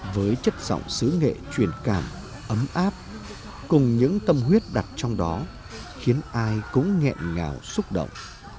với chất giọng sứ nghệ truyền cảm ấm áp cùng những tâm huyết đặt trong đó khiến ai cũng nghẹn ngào xúc động